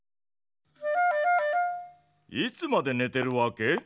いつまでねてるわけ？